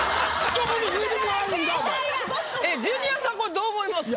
ジュニアさんこれどう思いますか？